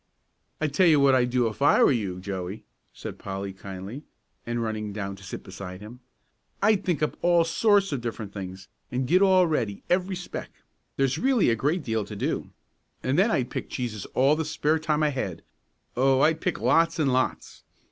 "I tell you what I'd do if I were you, Joey," said Polly, kindly, and running down to sit beside him. "I'd think up all sorts of different things, and get all ready, every speck. There's really a great deal to do. And then I'd pick cheeses all the spare time I had. Oh, I'd pick lots and lots!"